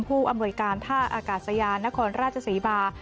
ผู้อำนวยการท่าอากาศยานนครราชศรีมา